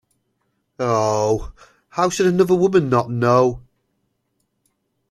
Oh, how should another woman not know?